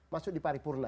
masuk di pari purna